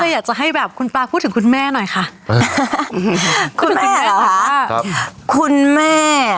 อยากจะให้แบบคุณปลาพูดถึงคุณแม่หน่อยค่ะคุณแม่เหรอคะคุณแม่